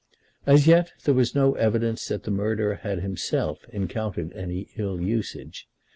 As yet there was no evidence that the murderer had himself encountered any ill usage.